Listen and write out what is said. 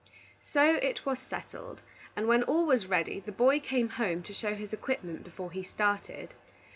So it was settled, and when all was ready, the boy came home to show his equipment before he started.